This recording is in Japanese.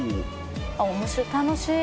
「あっ面白い楽しい！